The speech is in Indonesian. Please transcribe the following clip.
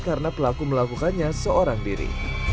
karena pelaku melakukannya seorang diri